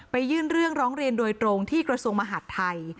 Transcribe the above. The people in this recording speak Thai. ยื่นเรื่องร้องเรียนโดยตรงที่กระทรวงมหาดไทย